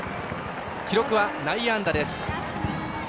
記録は内野安打です。